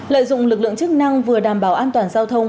lợi dụng lực lượng chức năng vừa đảm bảo an toàn giao thông